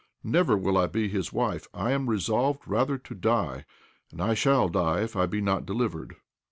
Never will I be his wife. I am resolved rather to die, and I shall die if I be not delivered."